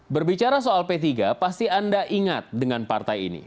berbicara soal p tiga pasti anda ingat dengan partai ini